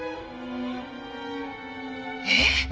えっ！？